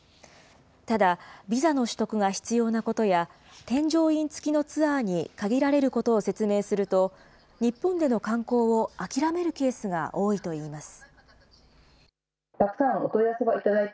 ただ、ビザの取得が必要なことや、添乗員付きのツアーに限られることを説明すると、日本での観光を諦めるケースが多いといいます。